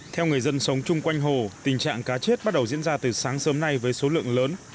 theo người dân sống chung quanh hồ tình trạng cá chết bắt đầu diễn ra từ sáng sớm nay với số lượng lớn